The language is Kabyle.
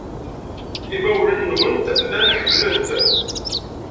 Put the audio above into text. Imawlan-nwent llan ḥemmlen-t.